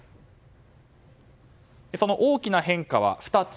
その大きな変化は２つ。